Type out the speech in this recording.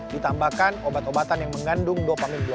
ditambahkan obat obatan yang mengandung dopamine blocker